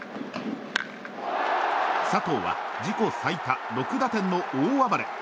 佐藤は自己最多６打点の大暴れ。